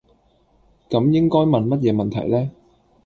咁應該問乜嘢問題呢?